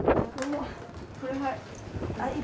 これはい。